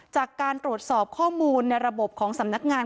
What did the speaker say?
จากการตรวจสอบข้อมูลในระบบของสำนักงาน